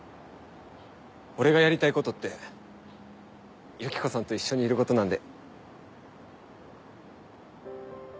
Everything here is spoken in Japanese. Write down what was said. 俺がやりたいことってユキコさんと一緒にいることなんで。